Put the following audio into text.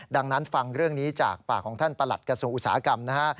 ดังนั้นฟังเรื่องนี้จากปากของท่านประหลัดกระทรวงอุตสาหกรรมนะฮะ